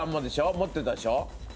持ってたでしょ？